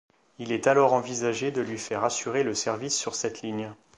Il est alors envisagé de lui faire assurer le service sur cette ligne.